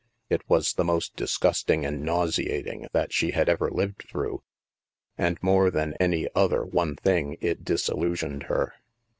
It was the most disgusting and nauseating that she had ever lived through and, more than any other one thing, it disillusioned her.